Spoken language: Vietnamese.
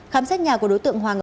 khám sát nhà của đối tượng hoàng